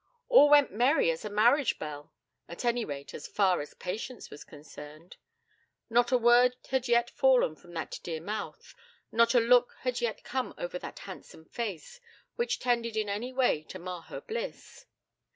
'All went merry as a marriage bell', at any rate as far as Patience was concerned. Not a word had yet fallen from that dear mouth, not a look had yet come over that handsome face, which tended in any way to mar her bliss.